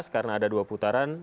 karena ada dua putaran